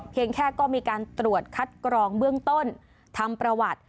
แค่ก็มีการตรวจคัดกรองเบื้องต้นทำประวัติ